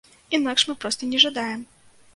Інакш мы проста не жадаем.